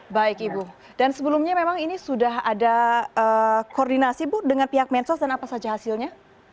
baik ibu dan sebelumnya memang ini sudah ada koordinasi bu dengan pihak mensos dan apa saja hasilnya